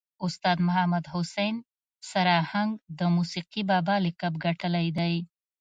استاذ محمد حسین سر آهنګ د موسیقي بابا لقب ګټلی دی.